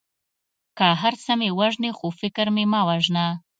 که هر څه مې وژنې خو فکر مې مه وژنه.